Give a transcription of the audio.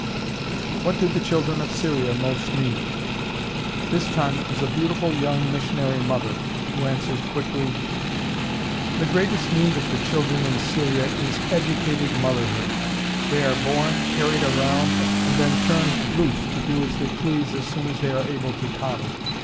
"What do the children of Syria most need?" This time it was a beautiful, young missionary mother who answered quickly: "The greatest need of the children in Syria is educated motherhood. They are born, carried around, and then turned loose to do as they please as soon as they are able to toddle.